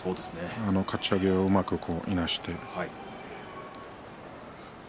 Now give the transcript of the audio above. かち上げをうまくいなして。